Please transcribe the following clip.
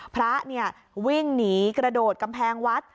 พระวิ่งหนีกระโดดกำแพงวัด